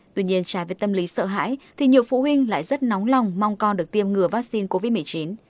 tuy nhiên trái với tâm lý sợ hãi thì nhiều phụ huynh lại rất nóng lòng mong con được tiêm ngừa vaccine covid một mươi chín